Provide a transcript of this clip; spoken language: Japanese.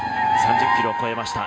３０ｋｍを超えました